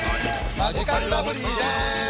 マヂカルラブリーです！